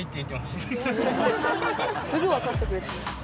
すぐわかってくれる。